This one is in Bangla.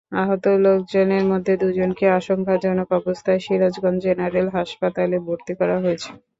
আহত লোকজনের মধ্যে দুজনকে আশঙ্কাজনক অবস্থায় সিরাজগঞ্জ জেনারেল হাসপাতালে ভর্তি করা হয়েছে।